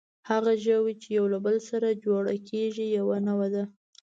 هغه ژوي، چې یو له بل سره جوړه کېږي، یوه نوعه ده.